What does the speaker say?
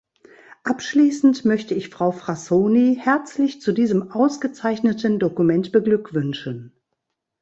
Abschließend möchte ich Frau Frassoni herzlich zu diesem ausgezeichneten Dokument beglückwünschen.